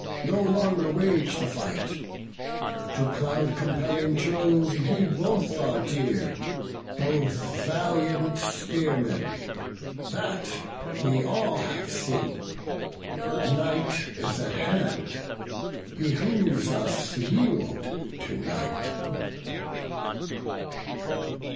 no longer wage the fight: To cloud compelling Jove ye both are dear, Both valiant spearmen; that, we all have seen. Night is at hand; behoves us yield to night."